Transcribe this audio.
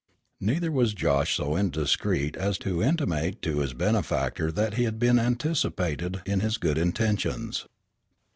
Neither was Josh so indiscreet as to intimate to his benefactor that he had been anticipated in his good intentions.